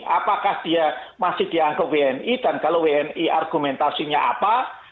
apakah dia masih dianggap wni dan kalau wni argumentasinya apa